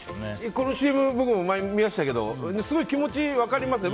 このＣＭ、僕も前見ましたけどすごい気持ち分かりますね。